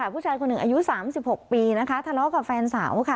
ผู้ชายคนหนึ่งอายุ๓๖ปีนะคะทะเลาะกับแฟนสาวค่ะ